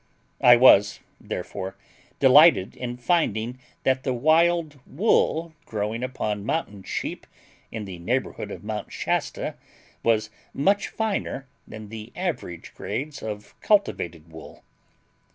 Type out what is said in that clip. I was, therefore, delighted in finding that the wild wool growing upon mountain sheep in the neighborhood of Mount Shasta was much finer than the average grades of cultivated wool.